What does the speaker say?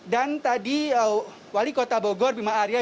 dan tadi wali kota bogor bima arya